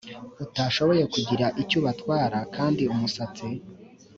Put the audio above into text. utashoboye kugira icyo ubatwara kandi umusatsi